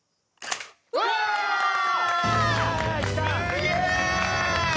すげえ！